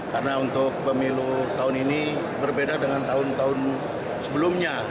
karena untuk pemilu tahun ini berbeda dengan tahun tahun sebelumnya